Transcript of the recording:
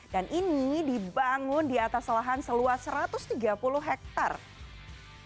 dan ini dibangun di atas lahan seluas satu ratus tiga puluh hektare